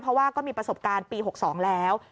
เพราะว่าก็มีประสบการณ์ปี๖๒แล้ว